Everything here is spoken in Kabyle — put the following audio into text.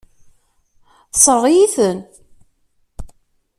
Tessṛeɣ-iyi-ten.